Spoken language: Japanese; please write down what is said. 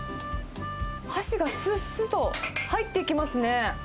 箸がすっすっと入っていきますね。